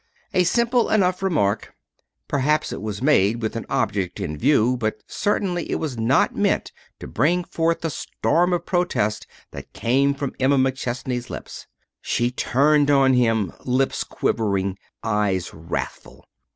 A simple enough remark. Perhaps it was made with an object in view, but certainly it was not meant to bring forth the storm of protest that came from Emma McChesney's lips. She turned on him, lips quivering, eyes wrathful.